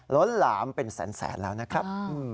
ล้นหลามเป็นแสนแล้วนะครับ